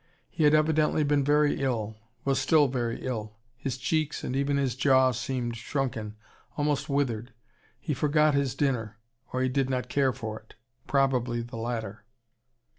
He had evidently been very ill: was still very ill. His cheeks and even his jaw seemed shrunken, almost withered. He forgot his dinner: or he did not care for it. Probably the latter.